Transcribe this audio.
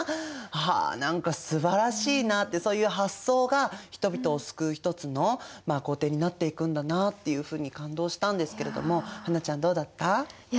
あ何かすばらしいなってそういう発想が人々を救う一つの行程になっていくんだなっていうふうに感動したんですけれども英ちゃんどうだった？